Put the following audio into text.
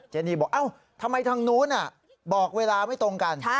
เจนีบอกเอ้าทำไมทางนู้นบอกเวลาไม่ตรงกัน